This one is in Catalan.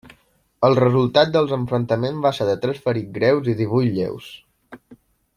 El resultat dels enfrontaments va ser de tres ferits greus i divuit lleus.